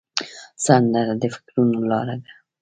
سندره د فکرونو لاره ده